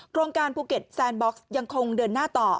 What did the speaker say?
โครงการภูเก็ตแซนบ็อกซ์ยังคงเดินหน้าต่อ